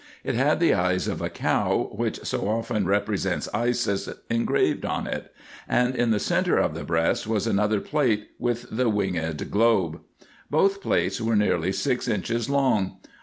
It had the eyes of a cow, which so often repre sents Isis, engraved on it; and in the centre of the breast was another plate, with the winged globe. Both plates were nearly six inches long.